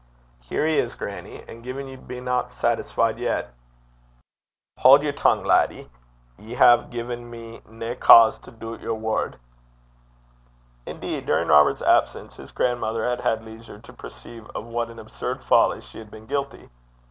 'Here he is, grannie; and gin ye bena saitisfeed yet ' 'Haud yer tongue, laddie. Ye hae gi'en me nae cause to doobt yer word.' Indeed, during Robert's absence, his grandmother had had leisure to perceive of what an absurd folly she had been guilty.